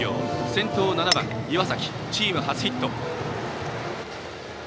先頭７番、岩崎チーム初ヒット。